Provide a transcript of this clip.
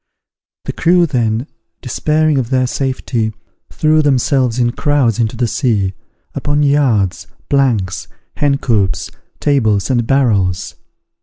The crew then, despairing of their safety, threw themselves in crowds into the sea, upon yards, planks, hen coops, tables, and barrels.